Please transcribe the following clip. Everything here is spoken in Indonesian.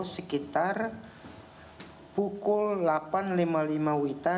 sekitar pukul delapan lima puluh lima wita